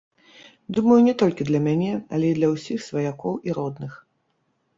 Думаю, не толькі для мяне, але і для ўсіх сваякоў і родных.